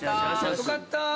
よかったー！